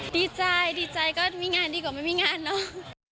ดีใจดีใจก็มีงานดีกว่าไม่มีงานเนอะ